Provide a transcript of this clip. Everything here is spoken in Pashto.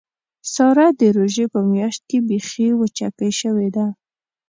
ساره د روژې په میاشت کې بیخي وچکۍ شوې ده.